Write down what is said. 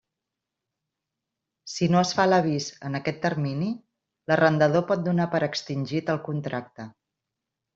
Si no es fa l'avís en aquest termini, l'arrendador pot donar per extingit el contracte.